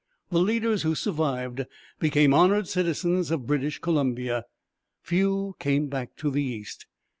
The leaders who survived became honoured citizens of British Columbia. Few came back to the East.